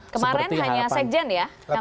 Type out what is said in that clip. kemarin hanya sekjen ya